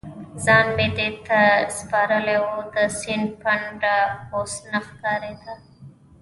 ځان مې دې ته سپارلی و، د سیند څنډه اوس نه ښکارېده.